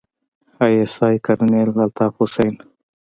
د آى اس آى کرنيل الطاف حسين.